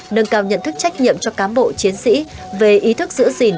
nâng cao nhận thức trách nhiệm cho cám bộ chiến sĩ về ý thức giữ gìn